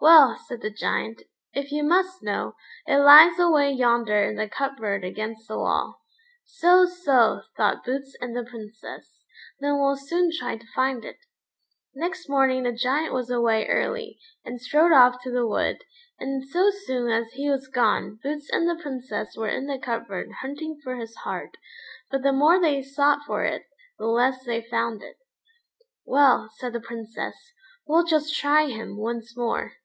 "Well," said the Giant, "if you must know, it lies away yonder in the cupboard against the wall." "So, so!" thought Boots and the Princess; "then we'll soon try to find it." Next morning the Giant was away early, and strode off to the wood, and so soon as he was gone Boots and the Princess were in the cupboard hunting for his heart, but the more they sought for it, the less they found it. "Well," said the Princess, "we'll just try him once more."